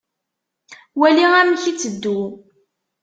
Wali amek i itteddu.